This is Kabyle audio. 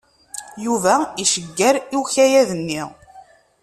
Yuba icegger i ukayad-nni.